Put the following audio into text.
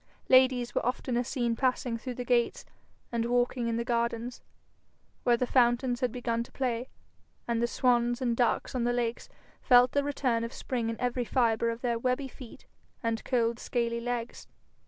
Ladies were oftener seen passing through the gates and walking in the gardens where the fountains had begun to play, and the swans and ducks on the lakes felt the return of spring in every fibre of their webby feet and cold scaly legs.